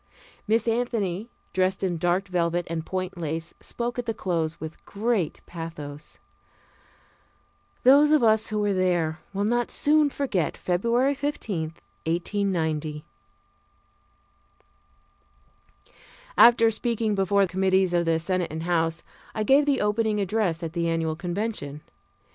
Miss Anthony, dressed in dark velvet and point lace, spoke at the close with great pathos. Those of us who were there will not soon forget February 15, 1890. After speaking before committees of the Senate and House, I gave the opening address at the annual convention.